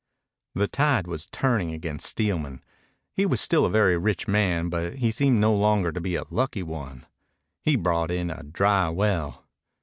The tide was turning against Steelman. He was still a very rich man, but he seemed no longer to be a lucky one. He brought in a dry well.